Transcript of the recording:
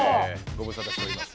ご無沙汰しております。